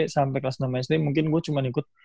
sampai kelas enam sd mungkin gue cuma ikut